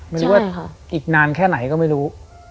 ไม่รู้ว่าอีกนานแค่ไหนก็ไม่รู้